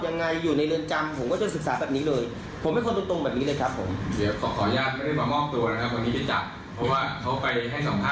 วันนี้ตำรวจก็ไปรับเพราะว่าหมายจับนะครับ